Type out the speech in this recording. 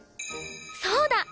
そうだ！